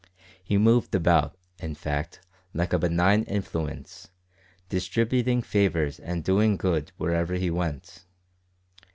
He moved about, in fact, like a benign influence, distributing favours and doing good wherever he went.